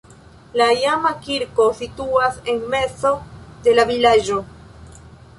La iama kirko situas en mezo de la vilaĝo.